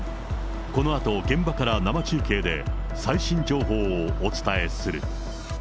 このあと現場から生中継で、最新情報をお伝えする。